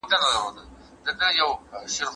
دا سیمي زموږ هویت دی.